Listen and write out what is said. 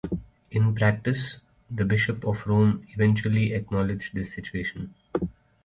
In practice, the Bishop of Rome eventually acknowledged this situation.